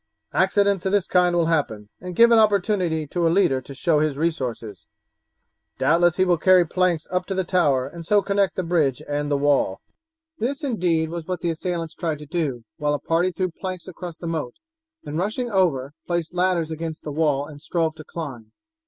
"Accidents of this kind will happen, and give an opportunity to a leader to show his resources. Doubtless he will carry planks up to the tower and so connect the bridge and the wall." This, indeed, was what the assailants tried to do, while a party threw planks across the moat, and rushing over placed ladders against the wall and strove to climb.